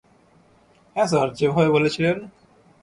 হ্যাঁ স্যার, যেভাবে বলেছিলেন।